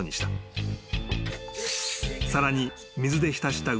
［さらに］